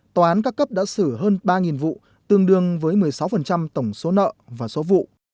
tòa án các cấp đã xử hơn ba vụ tương đương với một mươi sáu tổng số nợ và số vụ